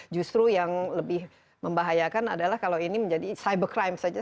justru yang lebih membahayakan adalah kalau ini menjadi cyber crime saja